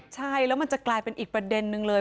ใช่แล้วมันจะกลายเป็นอีกประเด็นนึงเลย